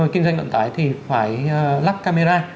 kinh doanh ngậm tải thì phải lắp camera